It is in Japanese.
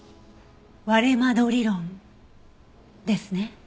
割れ窓理論ですね。